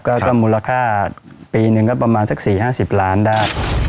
ก็ก็มูลค่าปีหนึ่งก็ประมาณสักสี่ห้าสิบล้านได้